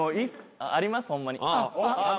ありますホンマに。